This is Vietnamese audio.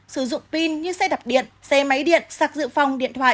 sử dụng pin như xe đạp điện xe máy điện sạc dự phòng điện thoại